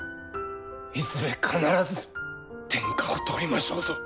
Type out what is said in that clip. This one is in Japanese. いずれ必ず天下を取りましょうぞ！